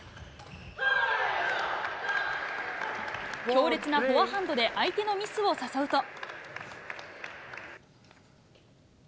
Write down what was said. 強烈なフォアハンドで、相手のミスを誘うと。